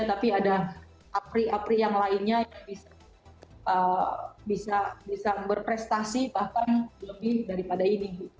tapi ada apri apri yang lainnya yang bisa berprestasi bahkan lebih daripada ini